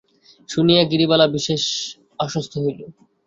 শুনিয়া গিরিবালা বিশেষ আশ্বস্ত হইল।